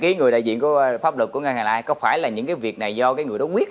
ký người đại diện của pháp luật của ngân hàng lại có phải là những cái việc này do cái người đó quyết